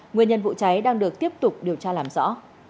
nguyên nhân vụ cháy đang được tiếp tục điều tra làm rõ